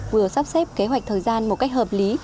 vừa sắp xếp kế hoạch thời gian một cách hợp lý